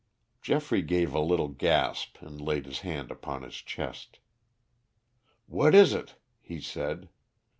Geoffrey gave a little gasp and laid his hand upon his chest. "What is it?" he said.